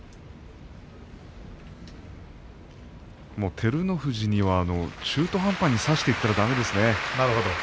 照ノ富士には中途半端に差してきたらだめですね。